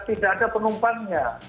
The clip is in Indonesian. tidak ada penumpangnya